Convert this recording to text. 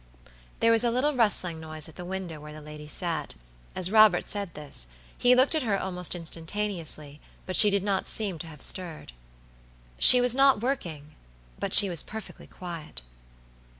There was a little rustling noise at the window where the lady sat, as Robert said this: he looked at her almost instantaneously, but she did not seem to have stirred. She was not working, but she was perfectly quiet.